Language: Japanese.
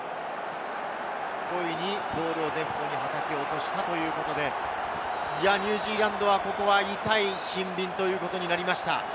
故意にボールを叩き落としたということで、ニュージーランドは痛いシンビンということになりました。